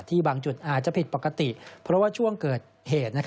บางจุดอาจจะผิดปกติเพราะว่าช่วงเกิดเหตุ